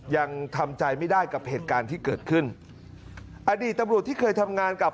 ยังทำใจไม่ได้กับเหตุการณ์ที่เกิดขึ้นอดีตตำรวจที่เคยทำงานกับ